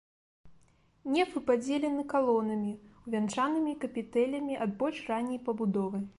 Нефы падзелены калонамі, увянчанымі капітэлямі ад больш ранняй пабудовы.